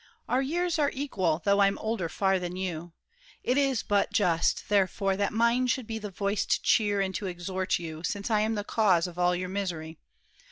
Our years Are equal, though I'm older far than you. It is but just, therefore, that mine should be The voice to cheer and to exhort you, since I am the cause of all your misery.